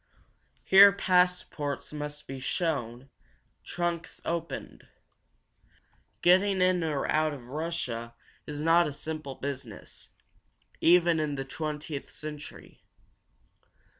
Here passports must be shown, trunks opened. Getting in or out of Russia is not a simple business, even in the twentieth century.